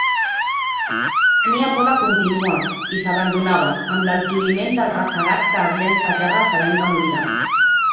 Tenia por de continuar, i s'abandonava, amb l'atuïment del ressagat que es llança a terra sabent que morirà.